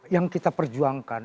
yang kita perjuangkan